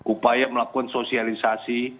upaya melakukan sosialisasi